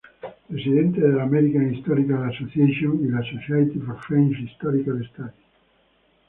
Presidente de la "American Historical Association" y la "Society for French Historical Studies".